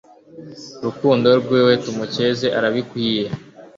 rukundo rw'iwe tumukeze arabikwiye